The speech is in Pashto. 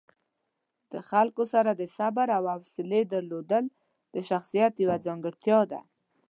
د خلکو سره د صبر او حوصلې درلودل د شخصیت یوه ځانګړتیا ده.